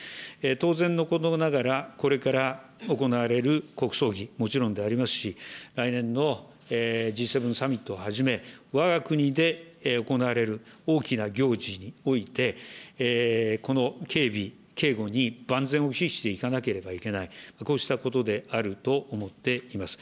当然のことながら、これから行われる国葬儀、もちろんでありますし、来年のＧ７サミットをはじめ、わが国で行われる大きな行事において、この警備、警護に万全を期していかなければいけない、こうしたことであると思っています。